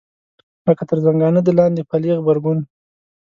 لکه تر زنګانه د لاندې پلې غبرګون.